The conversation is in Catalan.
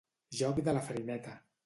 Joc de la farineta.